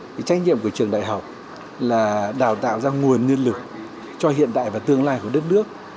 cái trách nhiệm của trường đại học là đào tạo ra nguồn nhân lực cho hiện đại và tương lai của đất nước